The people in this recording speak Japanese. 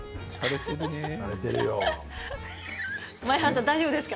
前原さん、大丈夫ですか？